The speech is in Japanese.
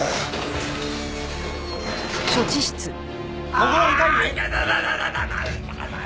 ここ痛い？